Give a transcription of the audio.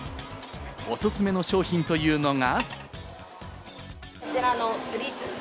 おすすめの商品というのが。